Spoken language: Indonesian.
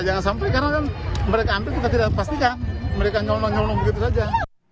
jangan sampai karena kan mereka ambil kita tidak pastikan mereka nyonong nyonong begitu saja